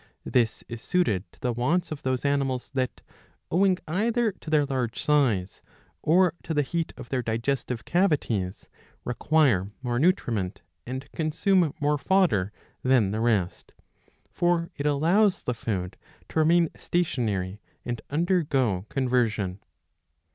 This is suited to the wants of those animals that, owing either to their large size or to the heat of their digestive cavities,^^ require more nutriment and consume more fodder than the rest ; for it allows the food to remain stationary and undergo conversion.